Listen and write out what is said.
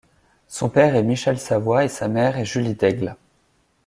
Son père est Michel Savoie et sa mère est Julie Daigle.